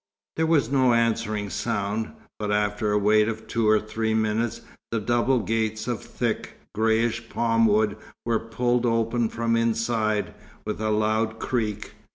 There was no answering sound, but after a wait of two or three minutes the double gates of thick, greyish palm wood were pulled open from inside, with a loud creak.